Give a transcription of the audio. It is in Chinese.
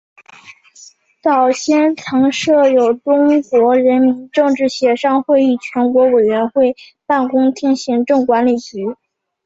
早先曾设有中国人民政治协商会议全国委员会办公厅行政管理局。